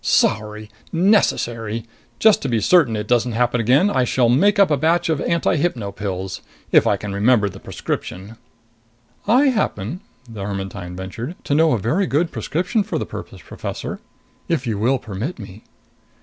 "Sorry! Necessary! Just to be certain it doesn't happen again, I shall make up a batch of antihypno pills. If I can remember the prescription." "I happen," the Ermetyne ventured, "to know a very good prescription for the purpose, Professor. If you will permit me!"